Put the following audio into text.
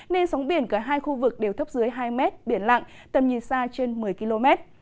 nên sóng biển cả hai khu vực đều thấp dưới hai mét biển lặng tầm nhìn xa trên một mươi km